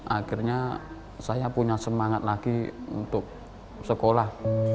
akhirnya saya punya semangat lagi untuk sekolah